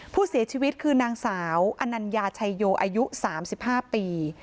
ผู้เสียชีวิตคือนางสาวอนัญญาชัยโยอายุ๓๕ปี